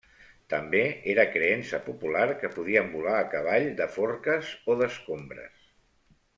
També era creença popular que podien volar a cavall de forques o d'escombres.